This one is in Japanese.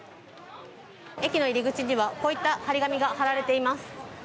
駅の入り口にはこういった張り紙が貼られています。